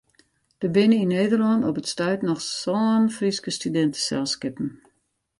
Der binne yn Nederlân op it stuit noch sân Fryske studinteselskippen.